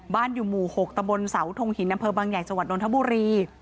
บ้านอยู่หมู่๖ตะบลสาวถงหินนำเภอบังใหญ่จดนทบุรี